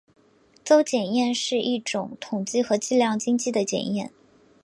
邹检验是一种统计和计量经济的检验。